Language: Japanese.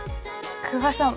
久我さん